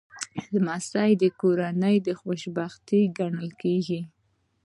لمسی د کورنۍ خوشبختي ګڼل کېږي.